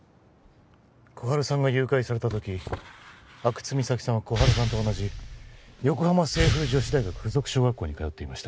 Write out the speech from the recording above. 心春さんが誘拐された時阿久津実咲さんは心春さんと同じ横浜清風女子大学附属小学校に通っていました